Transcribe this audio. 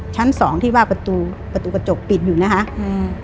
ชั้นสองที่ว่าประตูประตูกระจกปิดอยู่นะคะอืม